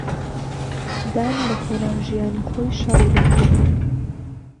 دان لەپێناو ژیانی خۆی شەڕی دەکرد.